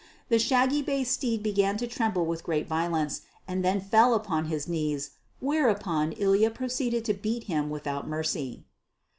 The shaggy bay steed began to tremble with great violence, and then fell upon his knees, whereupon Ilya proceeded to beat him without mercy.